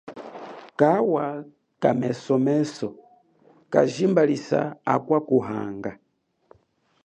Kawa kamesomeso kajimbalisa akwa kuhanga.